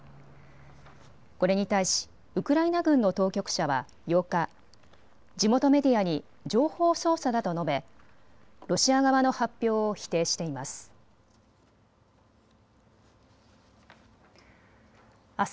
これに対しウクライナ軍の当局者は８日、地元メディアに情報操作だと述べ、ロシア側の発表を否定しています。